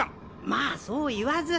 まあそう言わず。